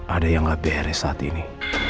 ada yang gak beres saat ini